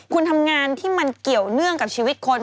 คุณทำงานที่มันเกี่ยวเนื่องกับชีวิตคน